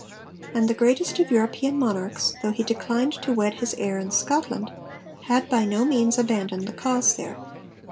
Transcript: And the greatest of European monarchs, though he declined to wed his heir in Scotland, had by no means abandoned the cause there.